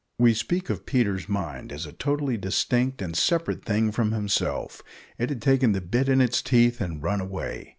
We speak of Peter's mind as a totally distinct and separate thing from himself. It had taken the bit in its teeth and run away.